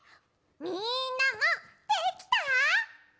みんなもできた？